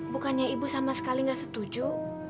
bukannya ibu sama sekali nggak setuju